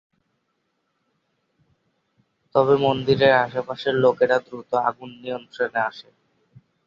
তবে মন্দিরের আশেপাশের লোকেরা দ্রুত আগুন নিয়ন্ত্রণে নিয়ে আসে।